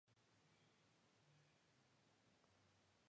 La decoración, en su conjunto, perpetúa los signos tribales heredados.